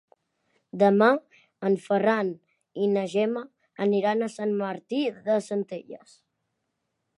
Demà en Ferran i na Gemma aniran a Sant Martí de Centelles.